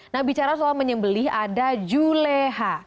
nah bicara soal menyembelih ada juleha